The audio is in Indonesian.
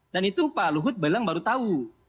dan itu pak luhut bilang baru tahu